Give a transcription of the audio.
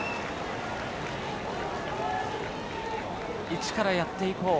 一からやっていこう。